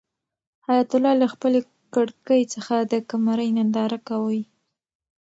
حیات الله له خپلې کړکۍ څخه د قمرۍ ننداره کوي.